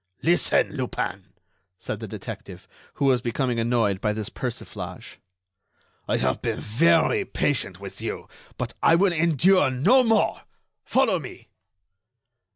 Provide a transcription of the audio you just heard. "Listen, Lupin," said the detective, who was becoming annoyed by this persiflage; "I have been very patient with you, but I will endure no more. Follow me."